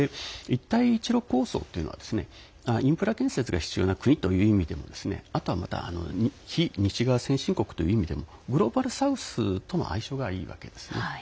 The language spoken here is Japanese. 一帯一路構想というのはインフラ建設が必要な国という意味でもあとは非西側先進国という意味でもグローバル・サウスとの相性がいいわけですよね。